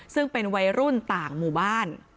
ซึ่งเป็นวัยรุ่นต่างหมู่บ้าน